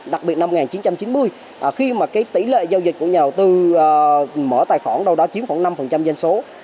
đặc biệt năm một nghìn chín trăm chín mươi khi mà cái tỷ lệ giao dịch của nhà đầu tư mở tài khoản đâu đó chiếm khoảng năm dân số